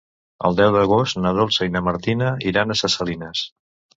El deu d'agost na Dolça i na Martina iran a Ses Salines.